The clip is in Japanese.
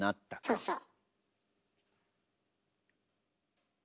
そうそう。